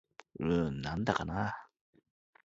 うーん、なんだかなぁ